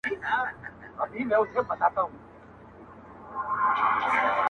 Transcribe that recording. هم یې غزل خوږ دی هم ټپه یې نازنینه ده-